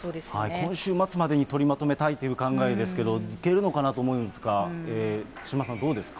今週末までに取りまとめたいという考えですけど、いけるのかなと思うんですが、手嶋さん、どうですか。